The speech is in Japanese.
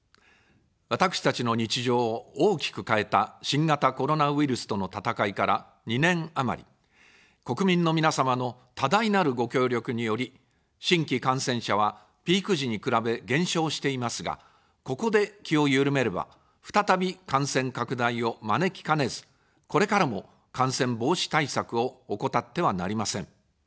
私たちの日常を大きく変えた新型コロナウイルスとの闘いから２年余り、国民の皆様の多大なるご協力により、新規感染者はピーク時に比べ減少していますが、ここで気を緩めれば、再び感染拡大を招きかねず、これからも感染防止対策を怠ってはなりません。